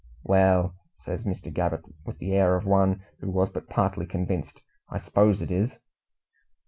"Well!" says Mr. Gabbett, with the air of one who was but partly convinced, "I s'pose it is."